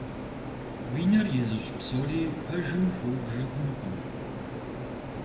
Уи нэр изыщӀ псори пэжым хыубжэ хъунукъым.